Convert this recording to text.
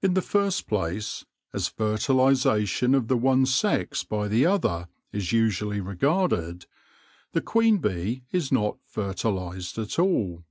In the first place, as fertilisation of the one sex by the other is usually regarded, the queen bee is not fertilised at all.